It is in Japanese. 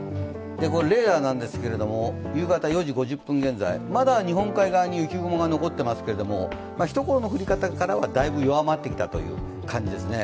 レーダーなんですけれども、夕方４時５０分現在、まだ日本海側に雪が残っていますけれども、ひところの降り方からはだいぶ弱まってきたという感じですかね。